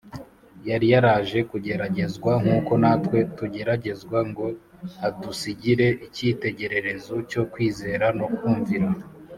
Yari yaraje kugeragezwa nk’uko natwe tugeragezwa, ngo adusigire icyitegererezo cyo kwizera no kumvira.